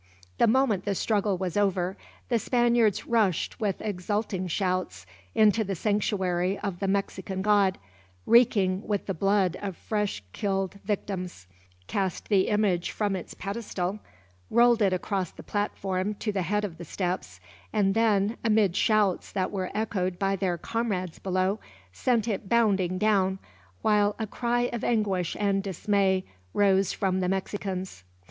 The moment the struggle was over, the Spaniards rushed with exulting shouts into the sanctuary of the Mexican god, reeking with the blood of fresh killed victims; cast the image from its pedestal; rolled it across the platform to the head of the steps; and then, amid shouts that were echoed by their comrades below, sent it bounding down, while a cry of anguish and dismay rose from the Mexicans.